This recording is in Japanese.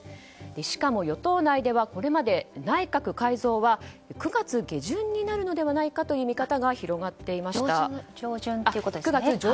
しかも、与党内ではこれまで内閣改造は９月上旬になるのではないかという見方が広がっていました。